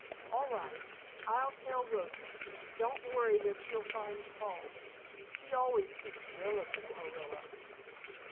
All right; I'll tell Rosa. Don't worry that she'll find fault; she always speaks well of you, Orilla."